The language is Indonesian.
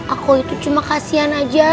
aku itu cuma kasian aja